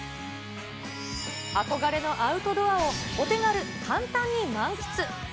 憧れのアウトドアを、お手軽簡単に満喫。